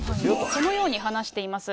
このように話しています。